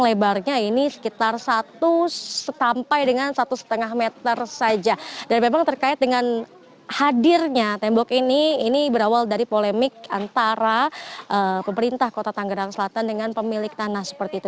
terkait dengan hadirnya tembok ini ini berawal dari polemik antara pemerintah kota tanggerang selatan dengan pemilik tanah seperti itu